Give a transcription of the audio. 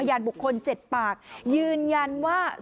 สองสามีภรรยาคู่นี้มีอาชีพ